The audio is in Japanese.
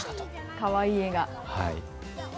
かわいい絵が。